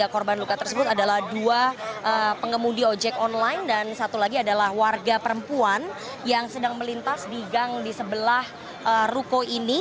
tiga korban luka tersebut adalah dua pengemudi ojek online dan satu lagi adalah warga perempuan yang sedang melintas di gang di sebelah ruko ini